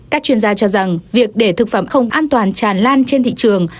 các chuyên gia cho rằng việc để thực phẩm không an toàn tràn lan trên thị trường